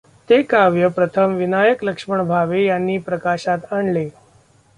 ते काव्य प्रथम विनायक लक्ष्मण भावे यांनी प्रकाशात आणले.